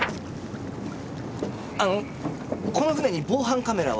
あのこの船に防犯カメラは？